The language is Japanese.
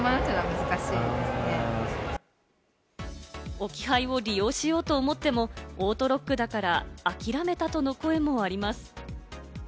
置き配を利用しようと思ってもオートロックだから、諦めたとの声もあります。